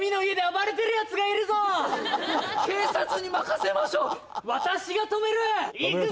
警察に任せましょう私が止めるいくぞ！